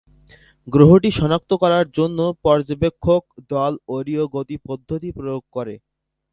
গ্রহটি শনাক্ত করার জন্য পর্যবেক্ষক দল অরীয় গতি পদ্ধতি প্রয়োগ করে।